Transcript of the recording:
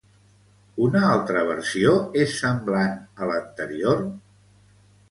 Una altra versió és semblant a l'anterior?